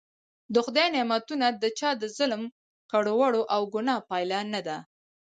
د خدای نعمتونه د چا د ظلم کړو وړو او ګناه پایله نده.